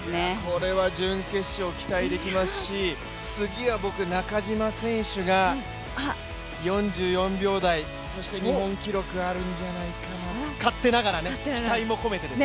これは準決勝期待できますし、次は僕、中島選手が４４秒台、そして日本記録あるんじゃないかな勝手ながら期待を込めてです。